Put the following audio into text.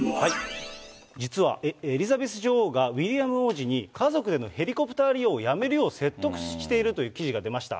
実はエリザベス女王が、ウィリアム王子に家族でのヘリコプター利用をやめるよう説得しているという記事が出ました。